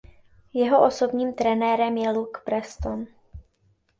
Jeho osobním trenérem je Luke Preston.